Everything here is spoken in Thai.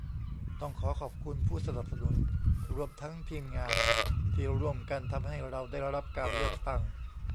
ต้องขอขอบคุณผู้สนับสนุน รวมทั้งทีมงาน ที่ร่วมกันทำให้เราได้รับการเลือกตั้ง